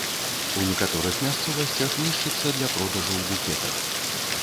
У некаторых мясцовасцях нішчыцца для продажу ў букетах.